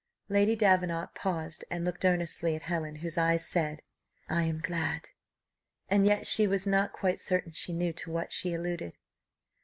Lady Davenant paused and looked earnestly at Helen, whose eyes said, "I am glad," and yet she was not quite certain she knew to what she alluded.